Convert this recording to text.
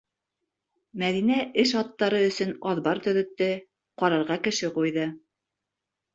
Мәҙинә эш аттары өсөн аҙбар төҙөттө, ҡарарға кеше ҡуйҙы.